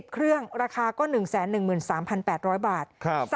๑๐เครื่องราคาก็๑๑๓๘๐๐บาทครับ